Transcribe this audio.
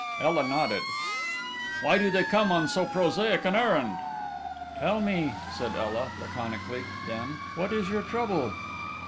Ela nodded. "Why do they come on so prosaic an errand?" "Tell me," said Ela, laconically, then, "What is your trouble?"